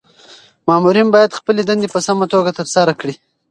مامورین باید خپلي دندي په سمه توګه ترسره کړي.